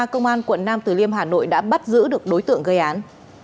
công an quận nam từ liêm hà nội đã bắt giữ được đối tượng gây án